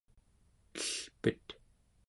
elpet